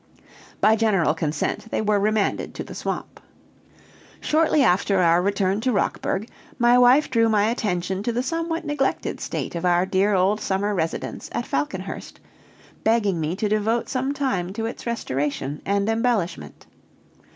By general consent they were remanded to the swamp. Shortly after our return to Rockburg, my wife drew my attention to the somewhat neglected state of our dear old summer residence at Falconhurst, begging me to devote some time to its restoration and embellishment.